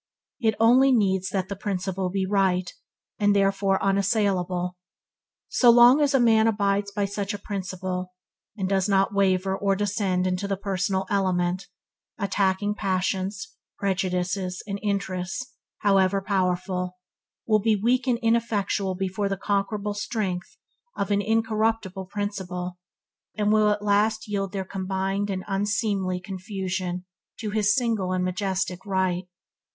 It only needs that the principle be right, and therefore unassailable. So long as man abides by such a principle, and does not waver or descend into the personal element, attacking passions, prejudices and interests, however powerful, will be weak and ineffectual before the unconquerable strength of an incorruptible principle, and will at last yield their combined and unseemly confusion to his single and majestic right.